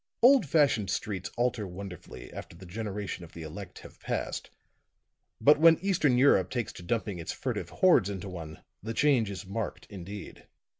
Old fashioned streets alter wonderfully after the generations of the elect have passed; but when Eastern Europe takes to dumping its furtive hordes into one, the change is marked indeed.